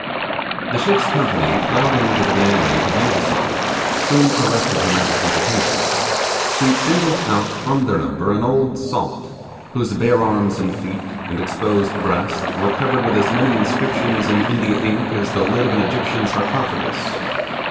The ship's company, crowding into the gangway to view the sight, soon arrested her majesty's attention. She singled out from their number an old salt, whose bare arms and feet, and exposed breast, were covered with as many inscriptions in India ink as the lid of an Egyptian sarcophagus.